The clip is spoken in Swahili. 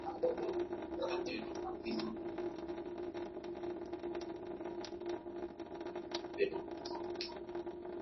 kati ya elfu mbili na moja na elfu mbili na kumi na moja na kupunguza pengo